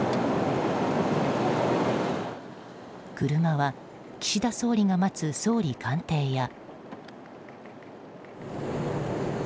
車は、岸田総理が待つ総理官邸や。